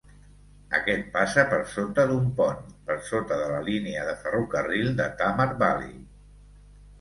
Aquest passa per sota d'un pont, per sota de la línia de ferrocarril de Tamar Valley.